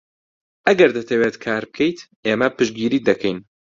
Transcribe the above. ئەگەر دەتەوێت کار بکەیت، ئێمە پشتگیریت دەکەین.